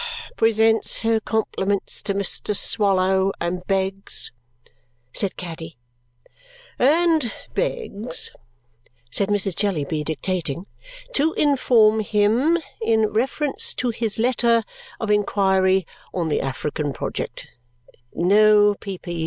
"'Presents her compliments to Mr. Swallow, and begs '" said Caddy. "'And begs,'" said Mrs. Jellyby, dictating, "'to inform him, in reference to his letter of inquiry on the African project ' No, Peepy!